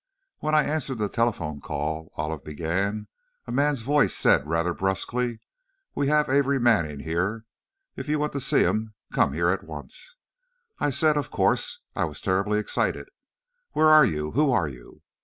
"When I answered the telephone call," Olive began, "a man's voice said, rather brusquely, 'We have Amory Manning here. If you want to see him, come here at once.' I said, of course, I was terribly excited, 'Where are you? who are you?'